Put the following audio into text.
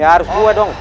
ya harus gue dong